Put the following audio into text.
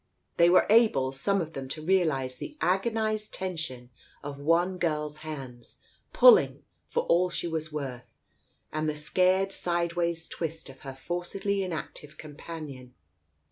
They were able, some of them, to realize the agonized tension of one girl's hands, pulling for all she was worth, and the scared sideways twist of her forcedly inactive companion.